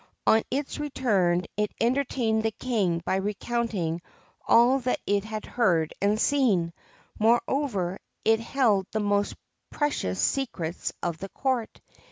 On its return it entertained the King by recounting all that it had heard and seen ; moreover, it held the most precious secrets of the court.